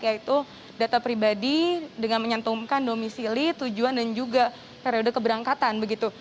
yaitu data pribadi dengan menyantumkan domisili tujuan dan juga periode keberangkatan begitu